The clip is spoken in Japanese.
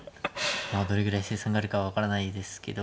まあどれぐらい成算があるか分からないですけど。